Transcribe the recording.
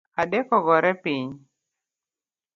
Adek ogore piny